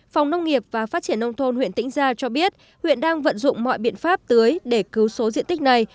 phòng nông nghiệp và phát triển nông thôn huyện tĩnh gia cho biết huyện đang vận dụng mọi biện pháp tưới để cứu số diện tích này